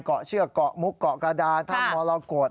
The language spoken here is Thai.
เกาะเชือกเกาะมุกเกาะกระดานถ้ำมรกฏ